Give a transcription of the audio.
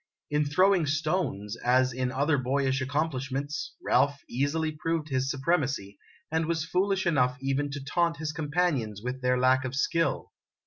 In throwing stones, as in other boyish accomplishments, Ralph easily proved his supremacy, and was foolish enough even to taunt his companions with their lack of skill.